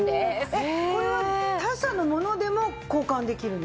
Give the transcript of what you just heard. えっこれは他社のものでも交換できるの？